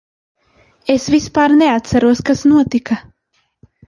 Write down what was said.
Es vispār neatceros, kas notika.